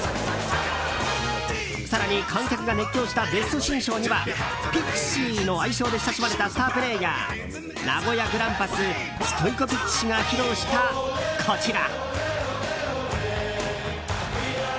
更に観客が熱狂したベストシーン賞にはピクシーの愛称で親しまれたスタープレーヤー名古屋グランパスストイコビッチ氏が披露したこちら。